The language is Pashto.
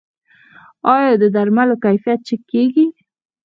آیا د درملو کیفیت چک کیږي؟